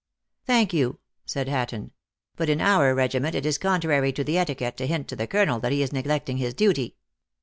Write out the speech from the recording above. " Thank you, said Hatton. But in our regiment, it is contrary to the etiquette to hint to the colonel that he is neglecting his duty."